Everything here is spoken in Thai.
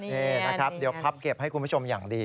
นี่นะครับเดี๋ยวพับเก็บให้คุณผู้ชมอย่างดี